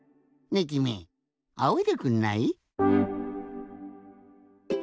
ねえきみあおいでくんない？